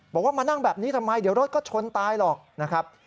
บอกว่ามานั่งแบบนี้ทำไมเดี๋ยวรถก็ชนตายหรอกนะครับ